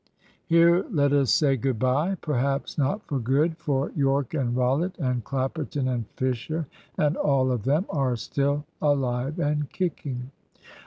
Here let us say good bye perhaps not for good. For Yorke and Rollitt, and Clapperton and Fisher, and all of them, are still alive and kicking.